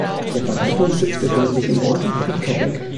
Der Verwaltungssitz befindet sich im Ort Bricquebec.